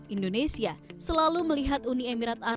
indonesia selalu melihat indonesia sebagai negara yang lebih besar